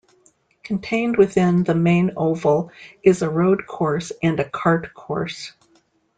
Contained within the main oval is a road course and a Kart course.